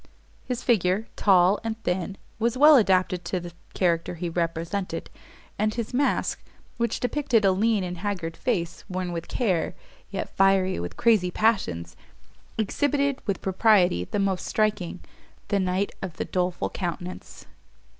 His figure, tall and thin, was well adapted to the character he represented, and his mask, which depictured a lean and haggard face, worn with care, yet fiery with crazy passions, exhibited, with propriety the most striking, the knight of the doleful countenance.